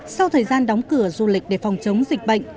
sau thời gian đóng cửa du lịch để phòng chống dịch bệnh